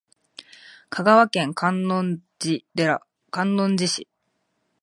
香川県観音寺市